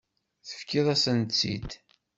Tefkiḍ-asen-tt-id.